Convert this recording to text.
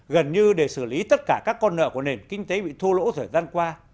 gần như để xử lý tất cả các con nợ của nền kinh tế bị thua lỗ thời gian qua